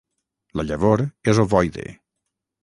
La llavor és ovoide.